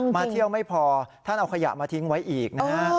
มาเที่ยวไม่พอท่านเอาขยะมาทิ้งไว้อีกนะฮะ